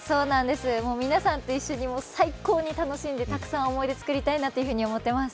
皆さんと一緒に最高に楽しんで、たくさん思い出つくりたいなと思ってます。